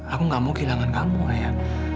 aku gak mau kehilangan kamu ya